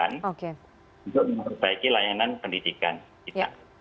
untuk memperbaiki layanan pendidikan kita